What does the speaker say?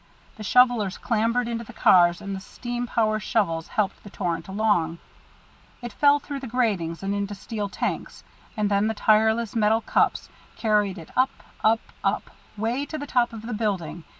The shovellers clambered into the cars and the steam power shovels helped the torrent along. It fell through the gratings, into steel tanks, and then the tireless metal cups carried it up, up, up, 'way to the top of the building.